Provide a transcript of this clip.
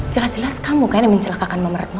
jelas jelas kamu kan yang mencelakakan nomor retno